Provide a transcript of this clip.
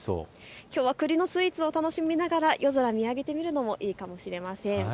きょうはくりのスイーツを楽しみながら夜空を見上げてみるのもいいかもしれません。